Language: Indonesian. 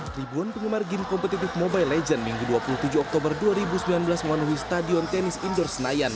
tribuan penggemar game kompetitif mobile legends minggu dua puluh tujuh oktober dua ribu sembilan belas memenuhi stadion tenis indoor senayan